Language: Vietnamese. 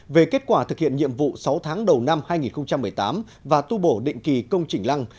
về kết quả thực hiện nhiệm vụ sáu tháng đầu năm hai nghìn một mươi tám và tu bổ định kỳ công trình lăng